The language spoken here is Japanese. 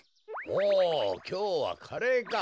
おおきょうはカレーか。